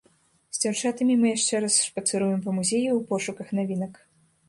З дзяўчатамі мы яшчэ раз шпацыруем па музеі ў пошуках навінак.